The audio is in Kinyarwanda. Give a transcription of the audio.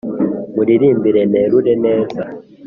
Nkuririmbe nerure neza